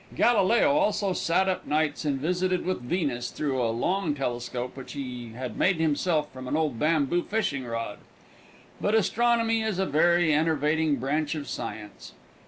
Galileo also sat up nights and visited with Venus through a long telescope which he had made himself from an old bamboo fishing rod. But astronomy is a very enervating branch of science.